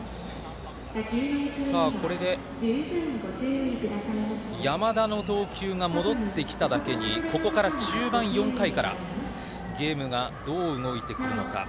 これで山田の投球が戻ってきただけにここから中盤４回からゲームが、どう動いてくるのか。